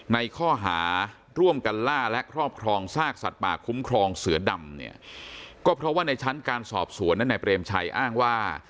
ในข้อหาร่วมกันล่าและครอบครองซากสัตว์ป่าคุ้มครองเสือดำเนี่ยก็เพราะว่าในชั้นการสอบสวนนั้นนายเปรมชัยอ้างว่า